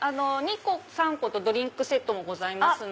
２個３個とドリンクセットもございます。